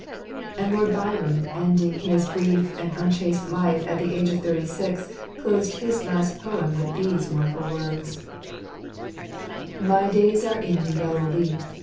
And Lord Byron, ending his brief and unchaste life at the age of thirty six, closed his last poem with these mournful words :— 40 In tjtf ®mt»e of " My days are in the yellow leaf.